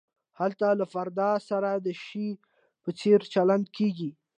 هلته له فرد سره د شي په څېر چلند کیږي.